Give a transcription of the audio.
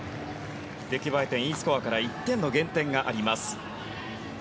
出来栄え点、Ｅスコアから１点の減点があります。